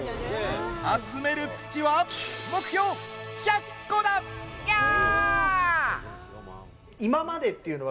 集める土は目標１００個だ！ヤー！！